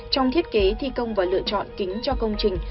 trong thiết kế thi công và lựa chọn kính cho công trình